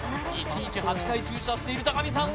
１日８回駐車している高見さん